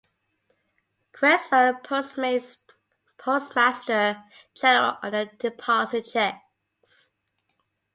Creswell, Postmaster General on their deposit checks.